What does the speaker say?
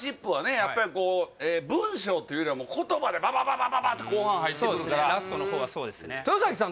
やっぱりこう文章というよりは言葉がババババッて後半入ってくるからラストの方はそうですね豊崎さん